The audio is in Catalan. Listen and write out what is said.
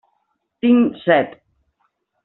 Tinc set.